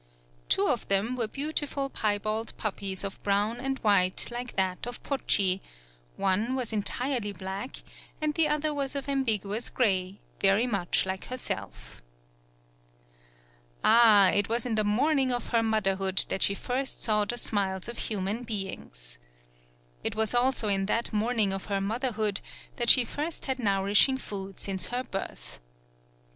Two of them were beautiful piebald puppies of brown and white like that of Pochi, one was entirely black, and the other was of 130 A DOMESTIC ANIMAL ambiguous gray, very much like her self! Ah, it was in the morning of her motherhood that she first saw the smiles of human beings. It was also in that morning of her motherhood that she first had nourishing food since her birth.